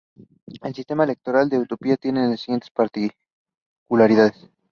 El sistema electoral de Etiopía tiene las siguientes particularidades.